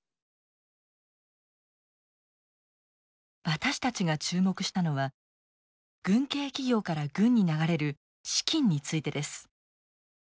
私たちが注目したのは軍系企業から軍に流れる資金についてです。